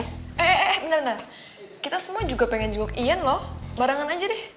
eh eh eh bentar bentar kita semua juga pengen junggok ian loh barangan aja deh